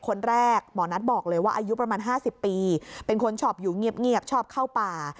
คนแรกหมอนัทบอกเลยว่าอายุประมาณ๕๐ปีเป็นคนชอบอยู่เงียบชอบเข้าป่า